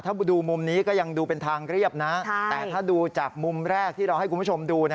ถ้าดูมุมนี้ก็ยังดูเป็นทางเรียบนะแต่ถ้าดูจากมุมแรกที่เราให้คุณผู้ชมดูนะ